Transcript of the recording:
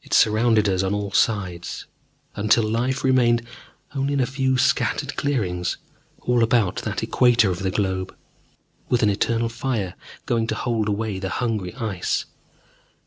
It surrounded us on all sides, until life remained only in a few scattered clearings all about that equator of the globe, with an eternal fire going to hold away the hungry Ice.